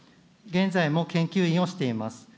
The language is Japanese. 現在も研究員をしています。